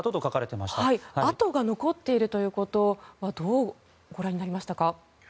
痕が残っているということはどうご覧になりましたか。